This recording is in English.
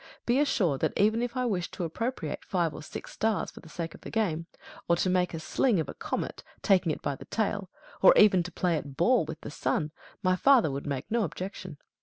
Be assured that even if I wished to appropriate five or six stars for the sake of a game, or to make a sling of a comet, taking it by the tail, or even to play at ball with the sun, my father would make no objection.